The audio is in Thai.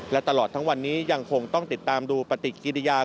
และตลอดทั้งวันนี้ยังคงต้องติดตามดูปฏิกิริยา